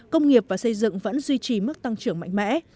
công nghiệp và xây dựng vẫn duy trì mức tăng trưởng mạnh mẽ